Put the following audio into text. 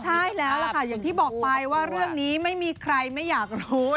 ใช่แล้วล่ะค่ะอย่างที่บอกไปว่าเรื่องนี้ไม่มีใครไม่อยากรู้